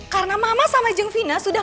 karena mama sama jeng fina sudah